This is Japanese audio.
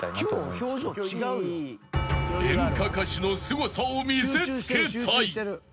［演歌歌手のすごさを見せつけたい］